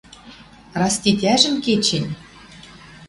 Раз тетяжӹн кечӹнь